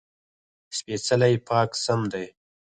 سپېڅلی: پاک سم دی.